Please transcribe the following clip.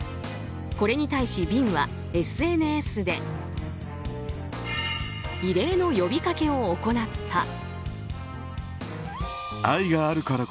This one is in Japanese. これに対し、ヴィンはＳＮＳで異例の呼びかけを行った。